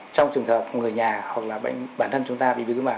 trong trường hợp người nhà hoặc là bệnh bản thân chúng ta bị viêm kết mạc